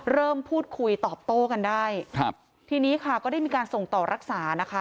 เริ่มพูดคุยตอบโต้กันได้ครับทีนี้ค่ะก็ได้มีการส่งต่อรักษานะคะ